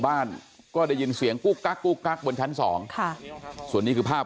บ้านก็ได้ยินเสียงก๊อกแก๊กก๊อกแก๊กบนชั้น๒ส่วนนี้คือภาพ